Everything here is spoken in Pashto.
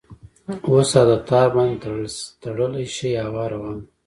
وساده ! تار باندې تړلی شي هوا روانه ؟